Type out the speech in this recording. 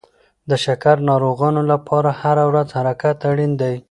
د شکر ناروغانو لپاره هره ورځ حرکت اړین دی.